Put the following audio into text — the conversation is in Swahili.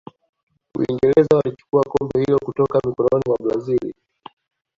uingereza walichukua kombe hilo kutoka mikononi mwa brazil